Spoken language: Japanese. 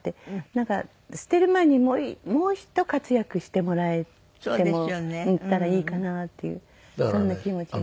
なんか捨てる前にもうひと活躍してもらえたらいいかなっていうそんな気持ちで。